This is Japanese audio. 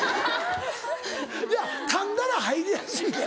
いやかんだら入りやすいやん。